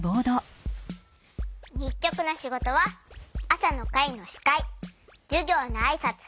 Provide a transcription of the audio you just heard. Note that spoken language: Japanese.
にっちょくのしごとはあさのかいのしかいじゅぎょうのあいさつ